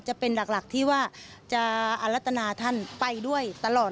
จะเป็นหลักที่ว่าจะอรัตนาท่านไปด้วยตลอด